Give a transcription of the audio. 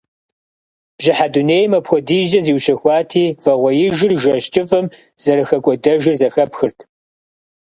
Бжьыхьэ дунейм апхуэдизкӏэ зиущэхуати, вагъуэижыр жэщ кӏыфӏым зэрыхэкӏуэдэжыр зэхэпхырт.